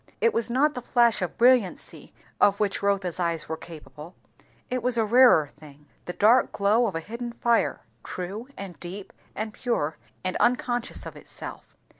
It was not the flash of brilliancy of which Rotha's eyes were quite capable; it was a rarer thing, the dark glow of a hidden fire, true, and deep, and pure, and unconscious of itself.